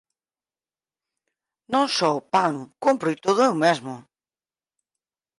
Non só o pan; cómproo todo eu mesmo.